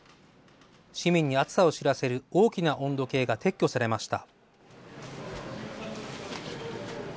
市民に暑さを知らせる大きな温度計が撤去されました。